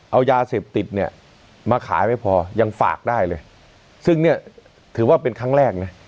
เอายาเสพติดเนี่ยมาขายไม่พอยังฝากได้เลยซึ่งเนี่ยถือว่าเป็นครั้งแรกนะ